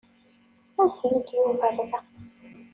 Azen-d Yuba ɣer da.